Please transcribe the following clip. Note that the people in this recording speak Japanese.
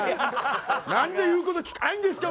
なんで言う事聞かないんですか